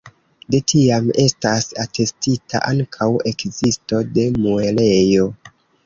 De tiam estas atestita ankaŭ ekzisto de muelejo.